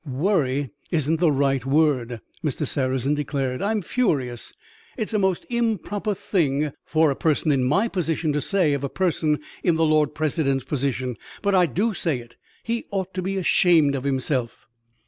"'Worry' isn't the right word," Mr. Sarrazin declared. "I'm furious! It's a most improper thing for a person in my position to say of a person in the Lord President's position; but I do say it he ought to be ashamed of himself."